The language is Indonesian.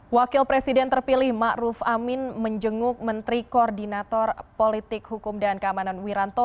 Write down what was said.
wakil presiden terpilih ma'ruf amin menjenguk menteri koordinator politik hukum dan keamanan wiranto